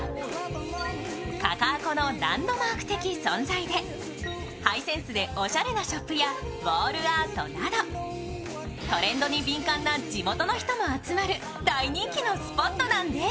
カカアコのランドマーク的存在でハイセンスでおしゃれなショップやウォールアートなどトレンドに敏感な地元の人も集まる大人気のスポットなんです。